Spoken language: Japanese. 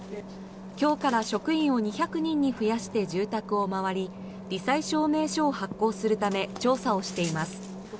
今日から職員を２００人に増やして住宅を回りり災証明書を発行するため調査をしています。